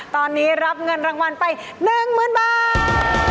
ตอนนี้รับเงินรางวัลไป๑๐๐๐บาท